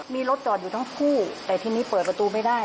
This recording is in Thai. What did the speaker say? มีรถจอดอยู่ทั้งคู่แต่ทีนี้เปิดประตูไม่ได้